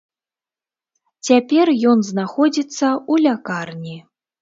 Цяпер ён знаходзіцца ў лякарні.